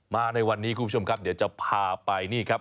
มาในวันนี้คุณผู้ชมครับเดี๋ยวจะพาไปนี่ครับ